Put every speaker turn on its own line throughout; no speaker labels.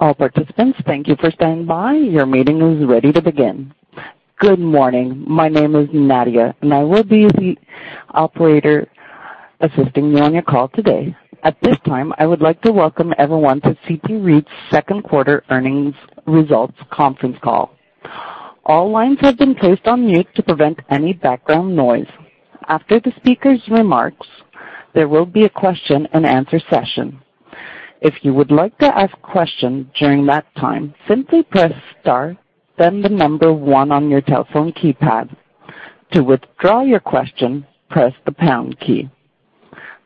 All participants, thank you for standing by. Your meeting is ready to begin. Good morning. My name is Nadia, and I will be the operator assisting you on your call today. At this time, I would like to welcome everyone to CT REIT's second quarter earnings results conference call. All lines have been placed on mute to prevent any background noise. After the speaker's remarks, there will be a question and answer session. If you would like to ask questions during that time, simply press star, then the number one on your telephone keypad. To withdraw your question, press the pound key.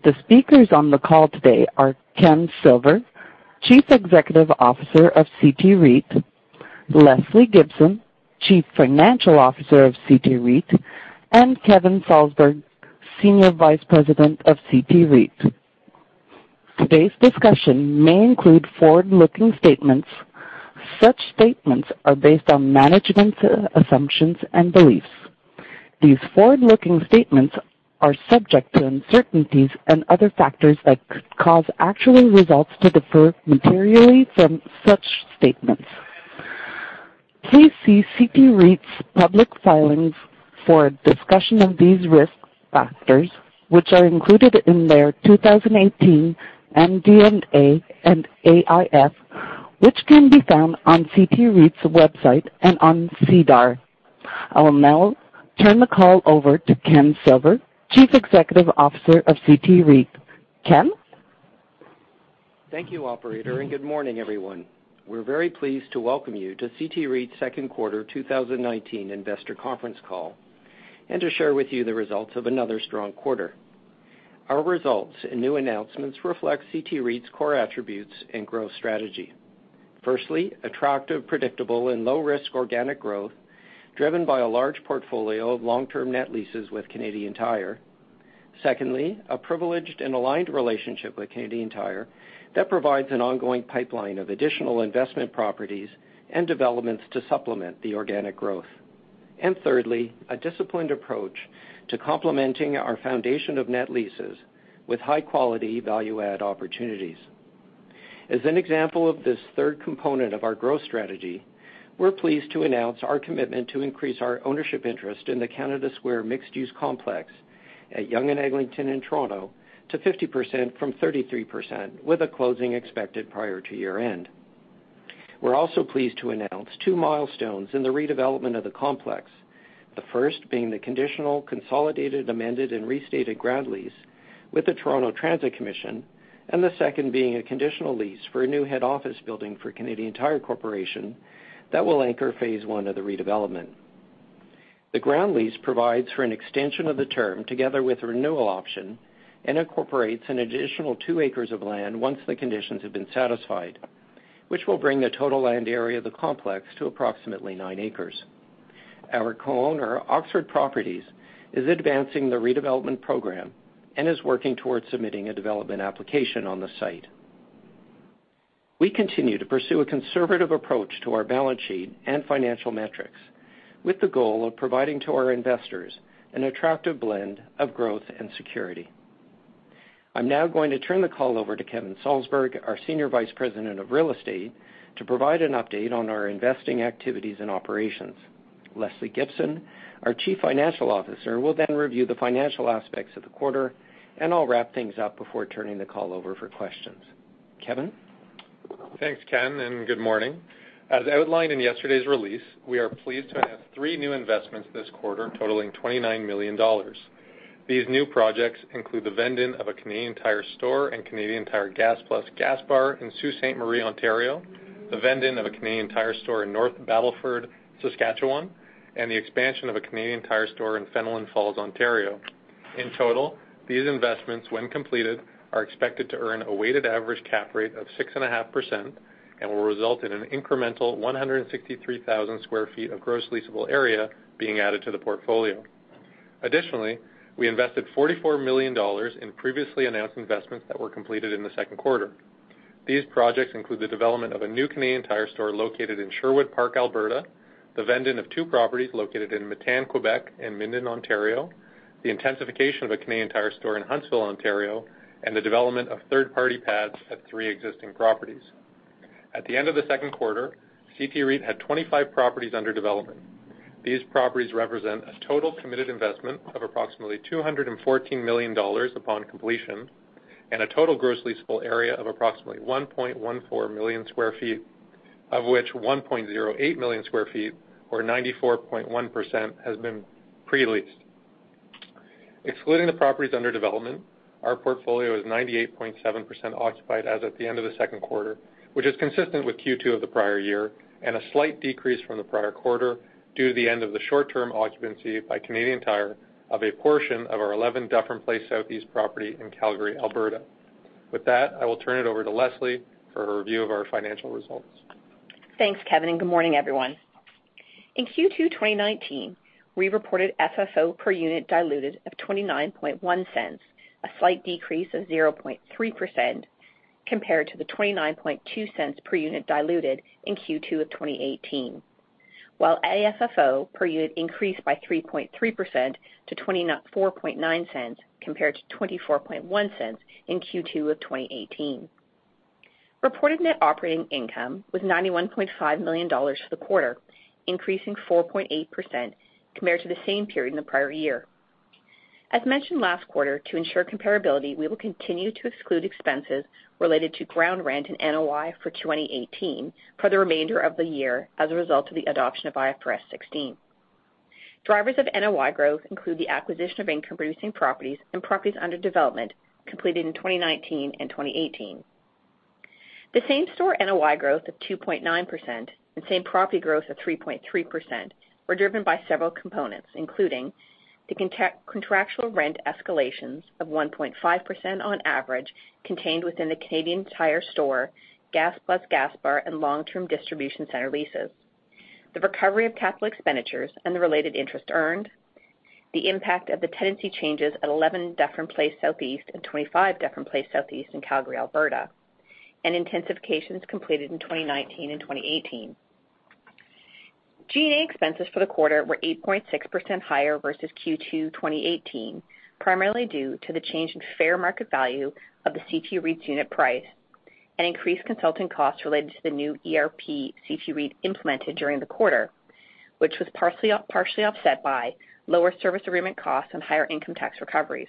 The speakers on the call today are Ken Silver, Chief Executive Officer of CT REIT, Lesley Gibson, Chief Financial Officer of CT REIT, and Kevin Salsberg, Senior Vice President of CT REIT. Today's discussion may include forward-looking statements. Such statements are based on management assumptions and beliefs. These forward-looking statements are subject to uncertainties and other factors that could cause actual results to differ materially from such statements. Please see CT REIT's public filings for a discussion of these risk factors, which are included in their 2018 MD&A and AIF, which can be found on CT REIT's website and on SEDAR. I will now turn the call over to Ken Silver, Chief Executive Officer of CT REIT. Ken?
Thank you, operator. Good morning, everyone. We're very pleased to welcome you to CT REIT's second quarter 2019 investor conference call, and to share with you the results of another strong quarter. Our results and new announcements reflect CT REIT's core attributes and growth strategy. Firstly, attractive, predictable and low-risk organic growth driven by a large portfolio of long-term net leases with Canadian Tire. Secondly, a privileged and aligned relationship with Canadian Tire that provides an ongoing pipeline of additional investment properties and developments to supplement the organic growth. Thirdly, a disciplined approach to complementing our foundation of net leases with high-quality value-add opportunities. As an example of this third component of our growth strategy, we're pleased to announce our commitment to increase our ownership interest in the Canada Square mixed-use complex at Yonge and Eglinton in Toronto to 50% from 33%, with a closing expected prior to year-end. We're also pleased to announce two milestones in the redevelopment of the complex. The first being the conditional consolidated, amended, and restated ground lease with the Toronto Transit Commission, and the second being a conditional lease for a new head office building for Canadian Tire Corporation that will anchor phase 1 of the redevelopment. The ground lease provides for an extension of the term together with a renewal option and incorporates an additional two acres of land once the conditions have been satisfied, which will bring the total land area of the complex to approximately nine acres. Our co-owner, Oxford Properties, is advancing the redevelopment program and is working towards submitting a development application on the site. We continue to pursue a conservative approach to our balance sheet and financial metrics with the goal of providing to our investors an attractive blend of growth and security. I'm now going to turn the call over to Kevin Salsberg, our Senior Vice President of Real Estate, to provide an update on our investing activities and operations. Lesley Gibson, our Chief Financial Officer, will then review the financial aspects of the quarter, and I'll wrap things up before turning the call over for questions. Kevin?
Thanks, Ken, and good morning. As outlined in yesterday's release, we are pleased to announce three new investments this quarter totaling 29 million dollars. These new projects include the vend-in of a Canadian Tire store and Canadian Tire Gas+ gas bar in Sault Ste. Marie, Ontario, the vend-in of a Canadian Tire store in North Battleford, Saskatchewan, and the expansion of a Canadian Tire store in Fenelon Falls, Ontario. In total, these investments, when completed, are expected to earn a weighted average cap rate of 6.5% and will result in an incremental 163,000 sq ft of gross leasable area being added to the portfolio. Additionally, we invested 44 million dollars in previously announced investments that were completed in the second quarter. These projects include the development of a new Canadian Tire store located in Sherwood Park, Alberta, the vend-in of two properties located in Matane, Quebec and Minden, Ontario, the intensification of a Canadian Tire store in Huntsville, Ontario, and the development of third-party pads at three existing properties. At the end of the second quarter, CT REIT had 25 properties under development. These properties represent a total committed investment of approximately 214 million dollars upon completion and a total gross leasable area of approximately 1.14 million sq ft, of which 1.08 million sq ft, or 94.1%, has been pre-leased. Excluding the properties under development, our portfolio is 98.7% occupied as at the end of the second quarter, which is consistent with Q2 of the prior year and a slight decrease from the prior quarter due to the end of the short-term occupancy by Canadian Tire of a portion of our 11 Dufferin Place Southeast property in Calgary, Alberta. With that, I will turn it over to Lesley for her review of our financial results.
Thanks, Kevin, and good morning, everyone. In Q2 2019, we reported FFO per unit diluted of 0.291, a slight decrease of 0.3% compared to the 0.292 per unit diluted in Q2 of 2018. While AFFO per unit increased by 3.3% to 0.249 compared to 0.241 in Q2 of 2018. Reported net operating income was 91.5 million dollars for the quarter, increasing 4.8% compared to the same period in the prior year. As mentioned last quarter, to ensure comparability, we will continue to exclude expenses related to ground rent and NOI for 2018 for the remainder of the year as a result of the adoption of IFRS 16. Drivers of NOI growth include the acquisition of income-producing properties and properties under development completed in 2019 and 2018. The same-store NOI growth of 2.9% and same property growth of 3.3% were driven by several components, including: the contractual rent escalations of 1.5% on average contained within the Canadian Tire store, Gas+ Gas Bar, and long-term distribution center leases, the recovery of capital expenditures and the related interest earned, the impact of the tenancy changes at 11 Dufferin Place Southeast and 25 Dufferin Place Southeast in Calgary, Alberta, and intensifications completed in 2019 and 2018. G&A expenses for the quarter were 8.6% higher versus Q2 2018, primarily due to the change in fair market value of the CT REIT's unit price and increased consulting costs related to the new ERP CT REIT implemented during the quarter, which was partially offset by lower service agreement costs and higher income tax recoveries.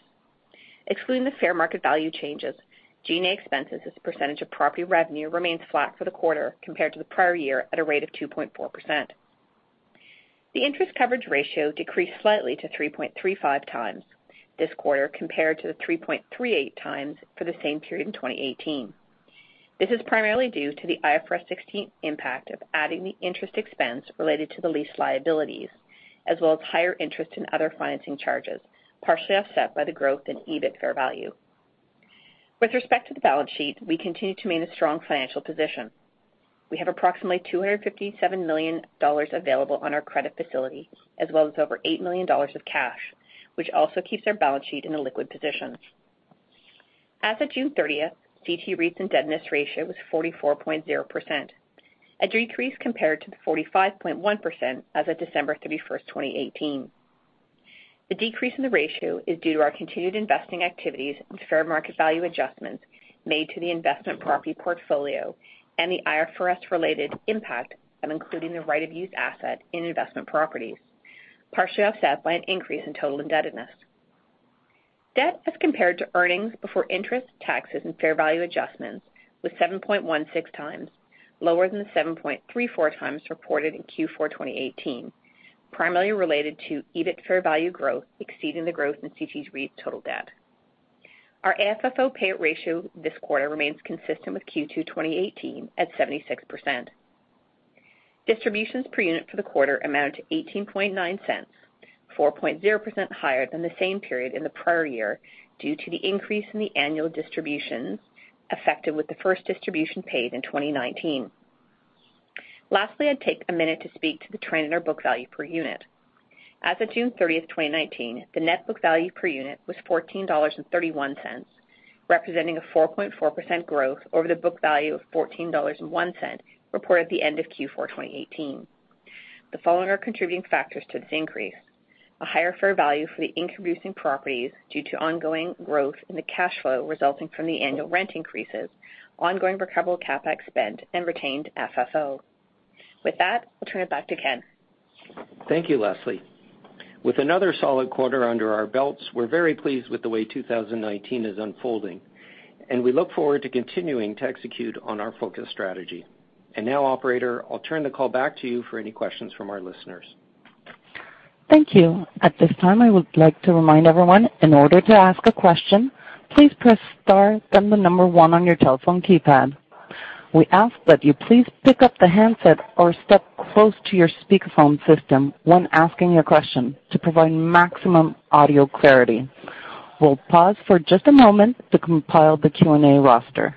Excluding the fair market value changes, G&A expenses as a percentage of property revenue remained flat for the quarter compared to the prior year at a rate of 2.4%. The interest coverage ratio decreased slightly to 3.35 times this quarter compared to the 3.38 times for the same period in 2018. This is primarily due to the IFRS 16 impact of adding the interest expense related to the lease liabilities, as well as higher interest in other financing charges, partially offset by the growth in EBIT fair value. With respect to the balance sheet, we continue to maintain a strong financial position. We have approximately 257 million dollars available on our credit facility, as well as over 8 million dollars of cash, which also keeps our balance sheet in a liquid position. As of June 30th, CT REIT's indebtedness ratio was 44.0%, a decrease compared to the 45.1% as of December 31st, 2018. The decrease in the ratio is due to our continued investing activities and fair market value adjustments made to the investment property portfolio and the IFRS-related impact of including the right-of-use asset in investment properties, partially offset by an increase in total indebtedness. Debt as compared to earnings before interest taxes and fair value adjustments was 7.16 times, lower than the 7.34 times reported in Q4 2018, primarily related to EBIT fair value growth exceeding the growth in CT REIT's total debt. Our AFFO payout ratio this quarter remains consistent with Q2 2018 at 76%. Distributions per unit for the quarter amounted to 0.189, 4.0% higher than the same period in the prior year, due to the increase in the annual distributions effective with the first distribution paid in 2019. I'd take a minute to speak to the trend in our book value per unit. As of June 30th, 2019, the net book value per unit was 14.31 dollars, representing a 4.4% growth over the book value of 14.01 dollars reported at the end of Q4 2018. The following are contributing factors to this increase: a higher fair value for the income-producing properties due to ongoing growth in the cash flow resulting from the annual rent increases, ongoing recoverable CapEx spend, and retained FFO. I'll turn it back to Ken.
Thank you, Lesley. With another solid quarter under our belts, we're very pleased with the way 2019 is unfolding, and we look forward to continuing to execute on our focus strategy. Now, operator, I'll turn the call back to you for any questions from our listeners.
Thank you. At this time, I would like to remind everyone, in order to ask a question, please press star then the number one on your telephone keypad. We ask that you please pick up the handset or step close to your speakerphone system when asking your question to provide maximum audio clarity. We will pause for just a moment to compile the Q&A roster.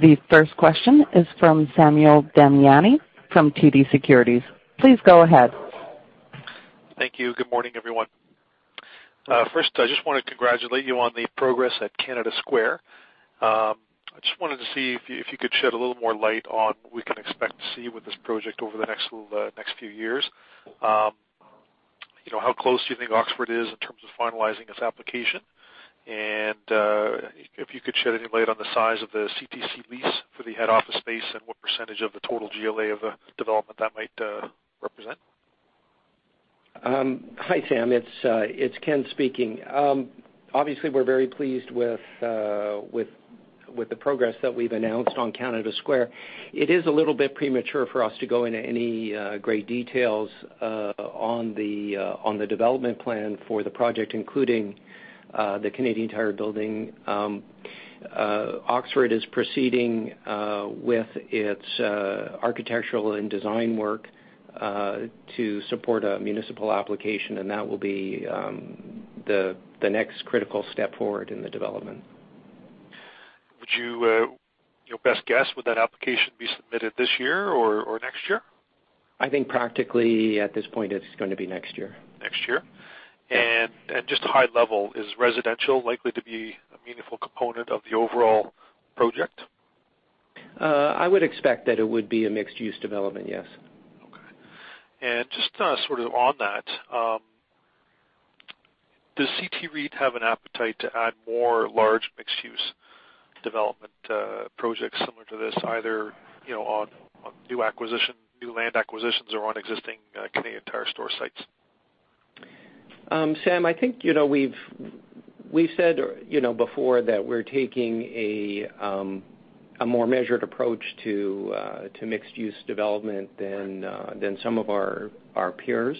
The first question is from Sam Damiani from TD Securities. Please go ahead.
Thank you. Good morning, everyone. I just want to congratulate you on the progress at Canada Square. I just wanted to see if you could shed a little more light on what we can expect to see with this project over the next few years. How close do you think Oxford is in terms of finalizing its application? If you could shed any light on the size of the CTC lease for the head office space and what percentage of the total GLA of the development that might represent?
Hi, Sam. It's Ken speaking. Obviously, we're very pleased with the progress that we've announced on Canada Square. It is a little bit premature for us to go into any great details on the development plan for the project, including the Canadian Tire building. Oxford is proceeding with its architectural and design work to support a municipal application, and that will be the next critical step forward in the development.
Would your best guess, would that application be submitted this year or next year?
I think practically at this point, it's going to be next year.
Next year? Just high level, is residential likely to be a meaningful component of the overall project?
I would expect that it would be a mixed-use development, yes.
Okay. Just sort of on that, does CT REIT have an appetite to add more large mixed-use development projects similar to this, either on new land acquisitions or on existing Canadian Tire store sites?
Sam, I think we've said before that we're taking a more measured approach to mixed-use development than some of our peers.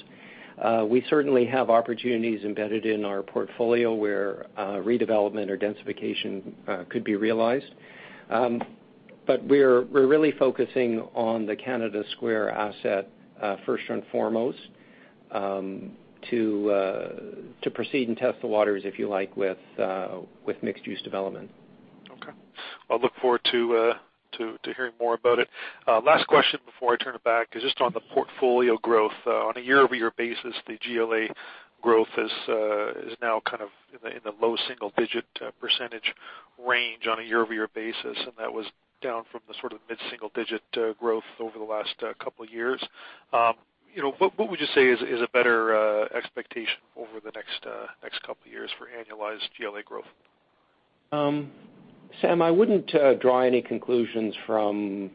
We certainly have opportunities embedded in our portfolio where redevelopment or densification could be realized. We're really focusing on the Canada Square asset first and foremost, to proceed and test the waters, if you like, with mixed-use development.
Okay. I'll look forward to hearing more about it. Last question before I turn it back is just on the portfolio growth. On a year-over-year basis, the GLA growth is now kind of in the low single-digit percentage range on a year-over-year basis, and that was down from the sort of mid-single-digit growth over the last couple of years. What would you say is a better expectation over the next couple of years for annualized GLA growth?
Sam, I wouldn't draw any conclusions from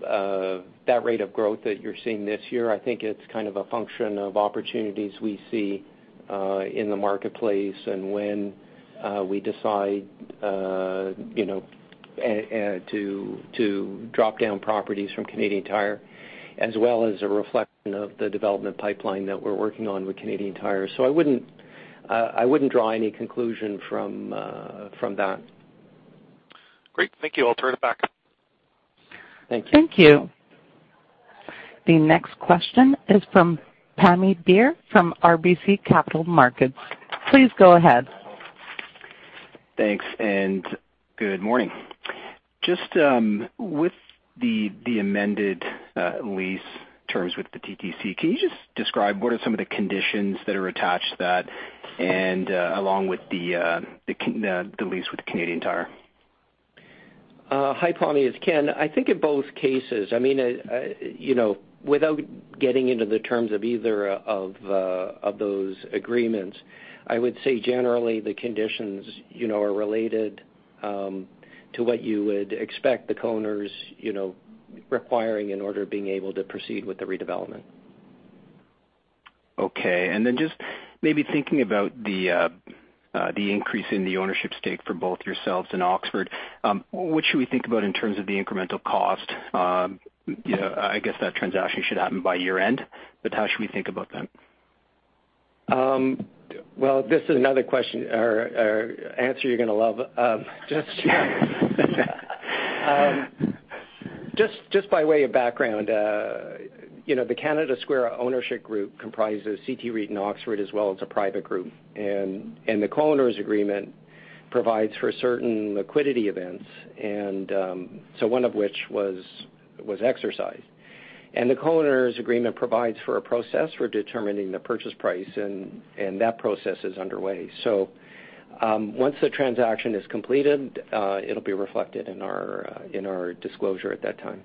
that rate of growth that you're seeing this year. I think it's kind of a function of opportunities we see in the marketplace and when we decide to drop-down properties from Canadian Tire, as well as a reflection of the development pipeline that we're working on with Canadian Tire. I wouldn't draw any conclusion from that.
Great. Thank you. I'll turn it back.
Thank you.
Thank you. The next question is from Pammi Bir from RBC Capital Markets. Please go ahead.
Thanks. Good morning. Just with the amended lease terms with the TTC, can you just describe what are some of the conditions that are attached to that, and along with the lease with Canadian Tire?
Hi, Pammi. It's Ken. I think in both cases, without getting into the terms of either of those agreements, I would say generally the conditions are related to what you would expect the co-owners requiring in order to being able to proceed with the redevelopment.
Okay. Just maybe thinking about the increase in the ownership stake for both yourselves and Oxford, what should we think about in terms of the incremental cost? I guess that transaction should happen by year-end, but how should we think about that?
Well, this is another answer you're going to love. Just by way of background, the Canada Square ownership group comprises CT REIT and Oxford, as well as a private group. The co-owners agreement provides for certain liquidity events, and so one of which was exercised. The co-owners agreement provides for a process for determining the purchase price, and that process is underway. Once the transaction is completed, it'll be reflected in our disclosure at that time.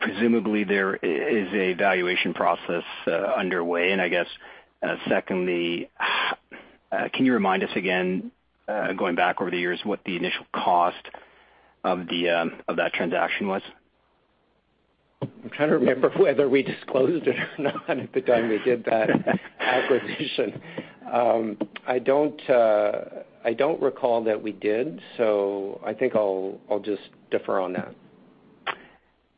Presumably, there is a valuation process underway. I guess secondly, can you remind us again, going back over the years, what the initial cost of that transaction was?
I'm trying to remember whether we disclosed it or not at the time we did that acquisition. I don't recall that we did, so I think I'll just defer on that.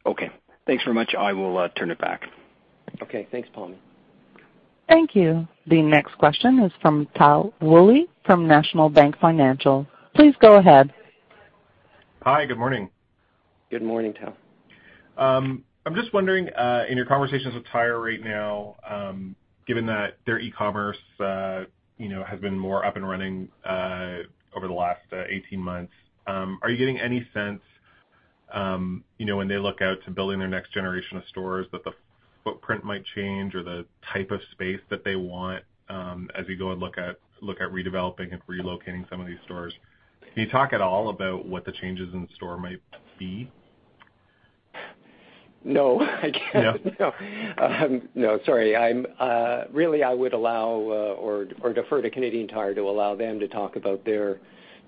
Okay. Thanks very much. I will turn it back.
Okay. Thanks, Pammi.
Thank you. The next question is from Tal Woolley from National Bank Financial. Please go ahead.
Hi. Good morning.
Good morning, Tal.
I'm just wondering, in your conversations with Canadian Tire right now, given that their e-commerce has been more up and running over the last 18 months, are you getting any sense, when they look out to building their next generation of stores, that the footprint might change or the type of space that they want as you go and look at redeveloping and relocating some of these stores? Can you talk at all about what the changes in the store might be?
No, I can't.
No?
No. Sorry. Really, I would allow or defer to Canadian Tire to allow them to talk about their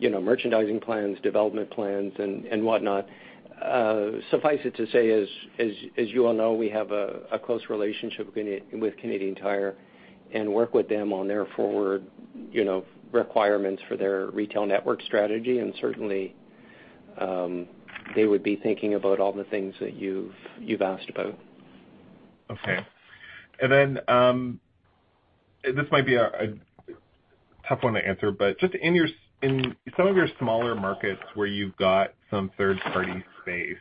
merchandising plans, development plans and whatnot. Suffice it to say, as you all know, we have a close relationship with Canadian Tire and work with them on their forward requirements for their retail network strategy. Certainly, they would be thinking about all the things that you've asked about.
Okay. This might be a tough one to answer, but just in some of your smaller markets where you've got some third-party space,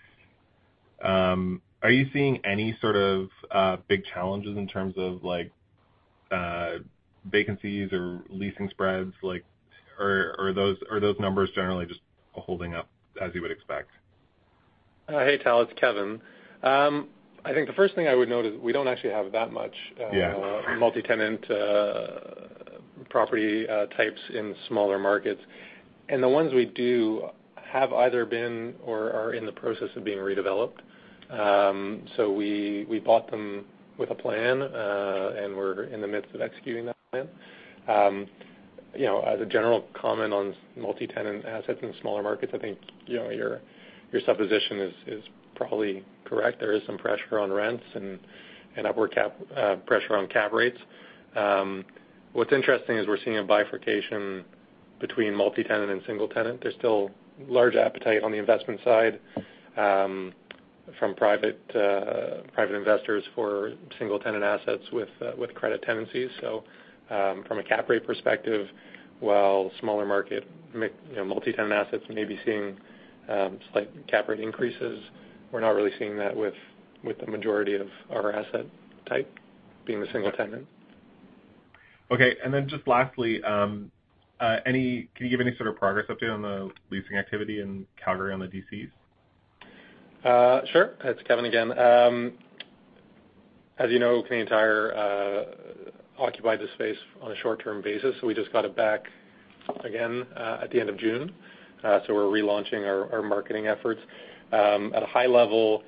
are you seeing any sort of big challenges in terms of like vacancies or leasing spreads, are those numbers generally just holding up as you would expect?
Hey, Tal, it's Kevin. I think the first thing I would note is we don't actually have that much.
Yeah
multi-tenant property types in smaller markets. The ones we do have either been or are in the process of being redeveloped. We bought them with a plan, and we're in the midst of executing that plan. As a general comment on multi-tenant assets in smaller markets, I think your supposition is probably correct. There is some pressure on rents and upward pressure on cap rates. What's interesting is we're seeing a bifurcation between multi-tenant and single-tenant. There's still large appetite on the investment side from private investors for single-tenant assets with credit tenancies. From a cap rate perspective, while smaller market multi-tenant assets may be seeing slight cap rate increases, we're not really seeing that with the majority of our asset type being the single tenant.
Okay, just lastly, can you give any sort of progress update on the leasing activity in Calgary on the DCs?
Sure. It's Kevin again. As you know, Canadian Tire occupied the space on a short-term basis. We just got it back again at the end of June. We're relaunching our marketing efforts. At a high level,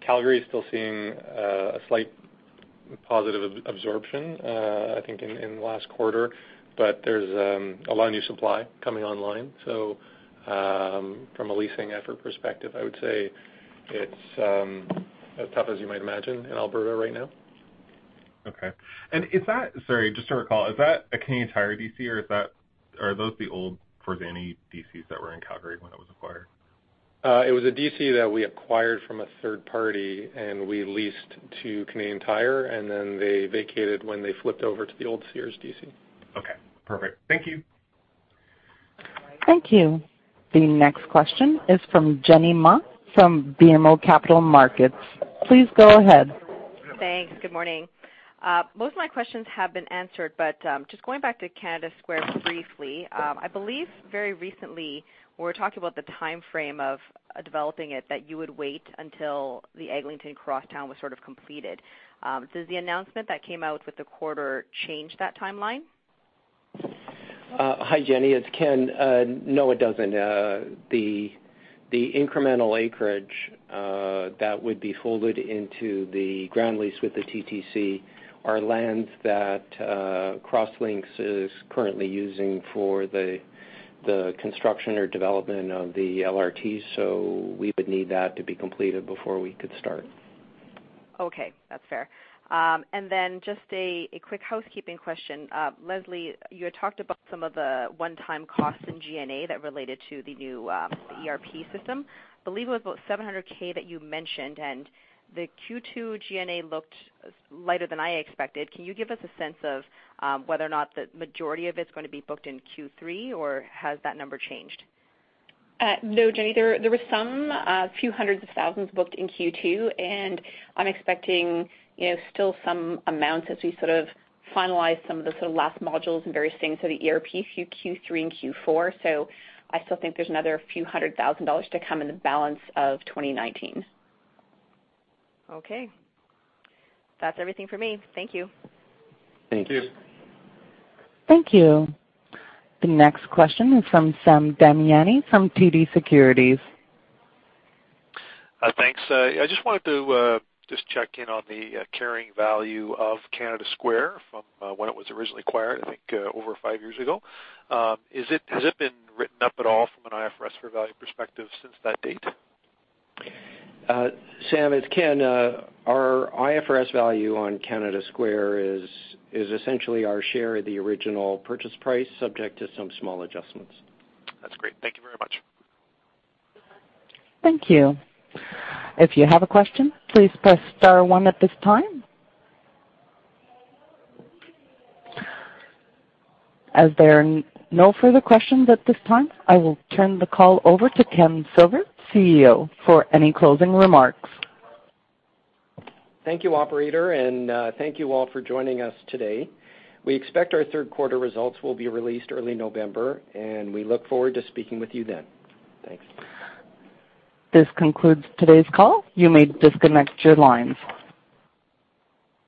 Calgary is still seeing a slight positive absorption, I think, in the last quarter, but there's a lot of new supply coming online. From a leasing effort perspective, I would say it's as tough as you might imagine in Alberta right now.
Okay. Sorry, just to recall, is that a Canadian Tire DC, or are those the old Forzani DCs that were in Calgary when it was acquired?
It was a DC that we acquired from a third party, and we leased to Canadian Tire, and then they vacated when they flipped over to the old Sears DC.
Okay, perfect. Thank you.
Thank you. The next question is from Jenny Ma from BMO Capital Markets. Please go ahead.
Thanks. Good morning. Most of my questions have been answered. Just going back to Canada Square briefly. I believe very recently when we were talking about the timeframe of developing it, that you would wait until the Eglinton Crosstown was sort of completed. Does the announcement that came out with the quarter change that timeline?
Hi, Jenny. It's Ken. No, it doesn't. The incremental acreage that would be folded into the ground lease with the TTC are lands that Crosslinx is currently using for the construction or development of the LRT. We would need that to be completed before we could start.
Okay. That's fair. Just a quick housekeeping question. Lesley, you had talked about some of the one-time costs in G&A that related to the new ERP system. I believe it was about 700,000 that you mentioned. The Q2 G&A looked lighter than I expected. Can you give us a sense of whether or not the majority of it's going to be booked in Q3, or has that number changed?
No, Jenny. There was some few hundreds of thousands CAD booked in Q2. I'm expecting still some amounts as we sort of finalize some of the sort of last modules and various things, so the ERP through Q3 and Q4. I still think there's another few hundred thousand CAD to come in the balance of 2019.
Okay. That's everything for me. Thank you.
Thank you.
Thank you. The next question is from Sam Damiani from TD Securities.
Thanks. I just wanted to just check in on the carrying value of Canada Square from when it was originally acquired, I think over five years ago. Has it been written up at all from an IFRS fair value perspective since that date?
Sam, it's Ken. Our IFRS value on Canada Square is essentially our share of the original purchase price, subject to some small adjustments.
That's great. Thank you very much.
Thank you. If you have a question, please press star one at this time. As there are no further questions at this time, I will turn the call over to Ken Silver, CEO, for any closing remarks.
Thank you, Operator, and thank you all for joining us today. We expect our third quarter results will be released early November, and we look forward to speaking with you then. Thanks.
This concludes today's call. You may disconnect your lines.